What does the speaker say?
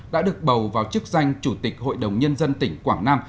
đã được bầu vào chức danh chủ tịch hội đồng nhân dân tỉnh quảng nam